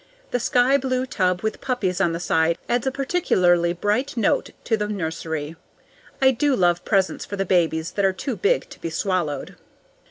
The skyblue tub with poppies on the side adds a particularly bright note to the nursery. I do love presents for the babies that are too big to be swallowed.